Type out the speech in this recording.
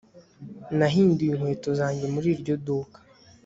Nahinduye inkweto zanjye muri iryo duka